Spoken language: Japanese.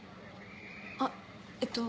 あっえっと。